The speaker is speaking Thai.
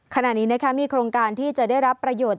ขณะนี้มีโครงการที่จะได้รับประโยชน์